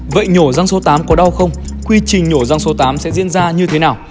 vậy nhổ răng số tám có đau không quy trình nhổ răng số tám sẽ diễn ra như thế nào